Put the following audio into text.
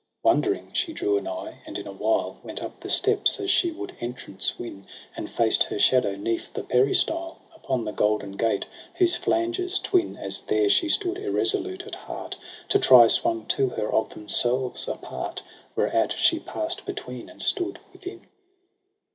7 Wondering she drew anigh, and in a while Went up the steps as she would entrance win. And faced her shadow 'neath the peristyle Upon the golden gate, whose flanges twin — As there she stood, irresolute at heart To try — swung to her of themselves apart j Whereat she past between and stood within.